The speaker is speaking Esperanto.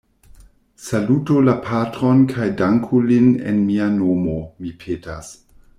Salutu la patron kaj danku lin en mia nomo, mi petas.